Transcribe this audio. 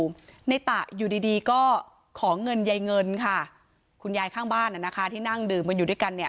ในตะอยู่ดีดีก็ขอเงินยายเงินค่ะคุณยายข้างบ้านที่นั่งดื่มกันอยู่ด้วยกันเนี่ย